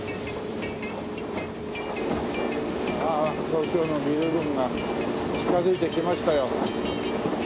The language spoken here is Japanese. ああ東京のビル群が近づいてきましたよ。